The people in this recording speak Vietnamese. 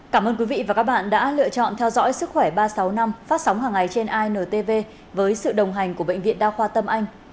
cảm ơn quý vị và các bạn đã lựa chọn theo dõi sức khỏe ba trăm sáu mươi năm phát sóng hàng ngày trên intv với sự đồng hành của bệnh viện đa khoa tâm anh